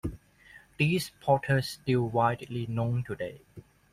These potters still widely known today.